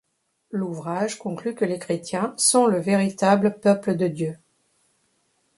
L'ouvrage conclut que les chrétiens sont le véritable peuple de Dieu.